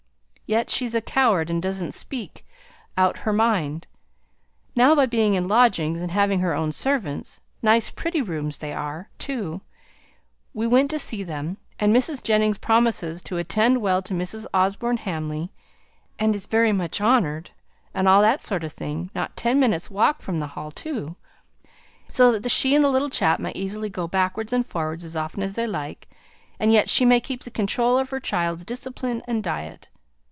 Yet she's a coward, and doesn't speak out her mind. Now by being in lodgings, and having her own servants nice pretty rooms they are, too; we went to see them, and Mrs. Jennings promises to attend well to Mrs. Osborne Hamley, and is very much honoured, and all that sort of thing not ten minutes' walk from the Hall, too, so that she and the little chap may easily go backwards and forwards as often as they like, and yet she may keep the control over the child's discipline and diet.